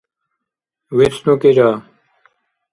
вецӀну кӀира